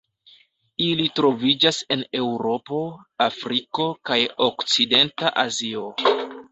Ili troviĝas en Eŭropo, Afriko kaj okcidenta Azio.